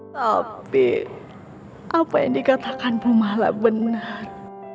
tapi apa yang dikatakan pemahala benar